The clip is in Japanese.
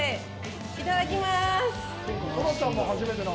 いただきまーす。